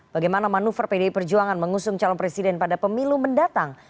bagaimana manuver pdi perjuangan mengusung calon presiden pada pemilu mendatang